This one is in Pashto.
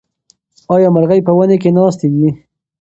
ایا مرغۍ په ونې کې ناستې دي؟